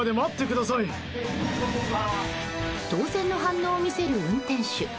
当然の反応を見せる運転手。